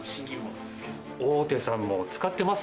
大手さんも使ってます？